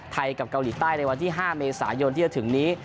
กับเกาหลีใต้ในวันที่๕เมษายนที่จะถึงนี้